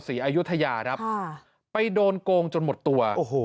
ศรีอายุธยาตรรับไปโดนโกงจนหมดตัว